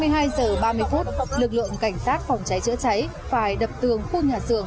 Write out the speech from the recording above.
hai mươi hai h ba mươi lực lượng cảnh sát phòng cháy chữa cháy phải đập tường khu nhà xưởng